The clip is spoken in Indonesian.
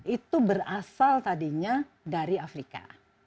itu berasal tadinya dari afrika